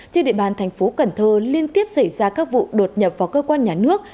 trên địa bàn tp cần thơ liên tiếp xảy ra các vụ đột nhập vào cơ quan nhà nước